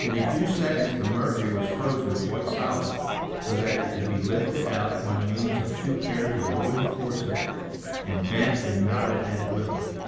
In a few seconds the mercury was frozen quite solid so that it could be lifted out by means of two pairs of wooden forceps and bent and knotted at will.